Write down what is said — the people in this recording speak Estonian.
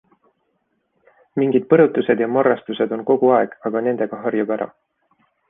Mingid põrutused ja marrastused on kogu aeg, aga nendega harjub ära.